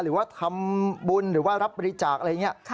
หรือว่าทำบุญหรือว่ารับบริจาคอะไรอย่างนี้